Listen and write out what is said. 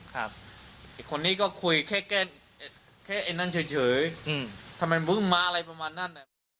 ไอ้คนนี้ก็คุยแค่แค่ไอ้นั้นเฉยทำไมมึงมาอะไรประมาณนั้น